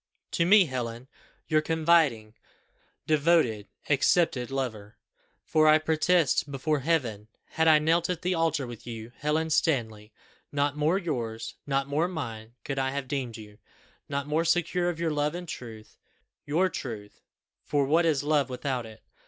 To me, Helen, your confiding devoted accepted lover! for I protest before Heaven, had I knelt at the altar with you, Helen Stanley, not more yours, not more mine could I have deemed you not more secure of your love and truth your truth, for what is love without it!